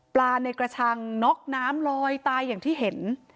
ในกระชังน็อกน้ำลอยตายอย่างที่เห็น